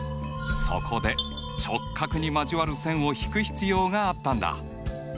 そこで直角に交わる線を引く必要があったんだ。